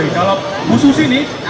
kalau bu susi nih